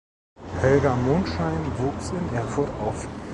Helga Mondschein wuchs in Erfurt auf.